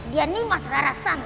dia nimas rara sampah